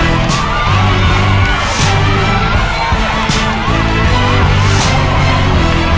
อีกลูกเท่าไหร่